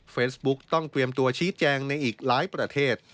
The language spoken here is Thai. เฟซบุ๊กต้องเตรียมตัวชี้แจงในอีกหลายประเทศ